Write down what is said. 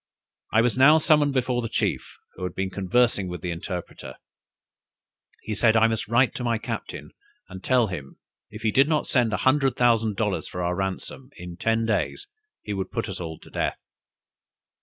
I was now summoned before the chief, who had been conversing with the interpreter: he said I must write to my captain, and tell him, if he did not send an hundred thousand dollars for our ransom, in ten days he would put us all to death."